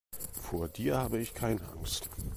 Vor dir habe ich keine Angst.